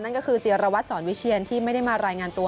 นั่นก็คือเจียรวัตรสอนวิเชียนที่ไม่ได้มารายงานตัว